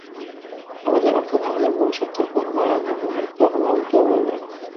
আমাদের অর্থাৎ আমাদের মূল সত্তার কখনও আরম্ভ হয় নাই, কখনই অন্তও হইবে না।